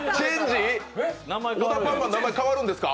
オダパンマン名前変わるんですか？